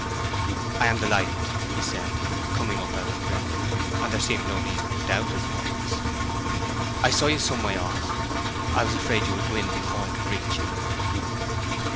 "I am delighted," he said, coming up out of breath; and there seemed no reason to doubt his words. "I saw you some way off—I was afraid you would go in before I could reach you."